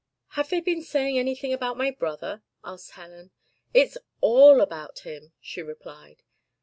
"Have they been saying anything about my brother?" asked Helen. "It's all about him," she replied.